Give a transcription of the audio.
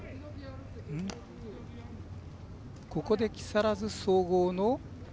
ここで木更津総合の。